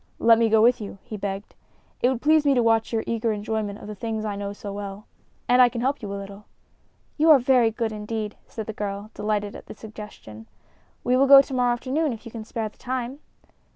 "Let me go with you," he begged. "It would please me to watch your eager enjoyment of the things I know so well. And I can help you a little." "You are very good, indeed," said the girl, delighted at the suggestion. "We will go to morrow afternoon, if you can spare the time."